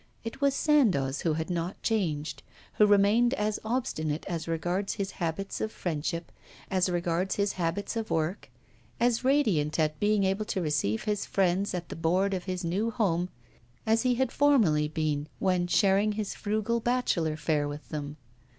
It was Sandoz who had not changed, who remained as obstinate as regards his habits of friendship, as regards his habits of work, as radiant at being able to receive his friends at the board of his new home as he had formerly been, when sharing his frugal bachelor fare with them.